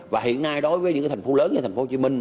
và hiện nay đối với những thành phố lớn như thành phố hồ chí minh